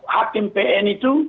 hakim pn itu